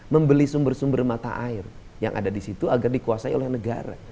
membeli sumber sumber mata air yang ada di situ agar dikuasai oleh negara